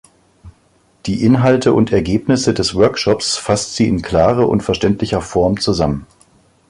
Die Inhalte und Ergebnisse des Workshops fasst sie in klarer und verständlicher Form zusammen.